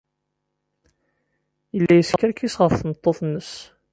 Yella yeskerkis ɣef tmeṭṭut-nnes.